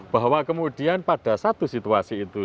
bahwa kemudian pada satu situasi itu